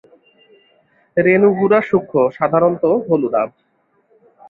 রেণু গুঁড়া সূক্ষ্ম, সাধারণত হলুদাভ।